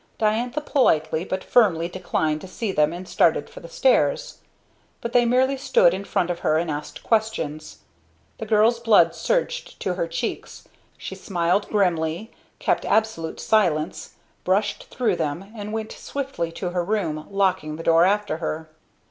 Diantha politely but firmly declined to see them and started for the stairs; but they merely stood in front of her and asked questions. The girl's blood surged to her cheeks; she smiled grimly, kept absolute silence, brushed through them and went swiftly to her room, locking the door after her.